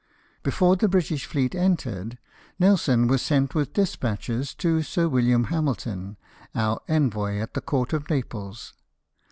Before the British fleet entered. Nelson was sent with despatches to Sir William Hamilton, our envoy to the court of Naples.